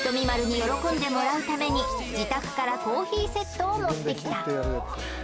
○に喜んでもらうために自宅からコーヒーセットを持ってきた